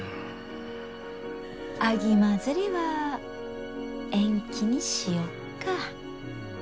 秋まづりは延期にしよっか？